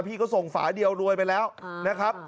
พี่ก็ส่งฝาเดียวรวยไปแล้วนะครับ